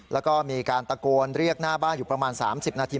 แล้วก็มีการตะโกนเรียกหน้าบ้านอยู่ประมาณ๓๐นาที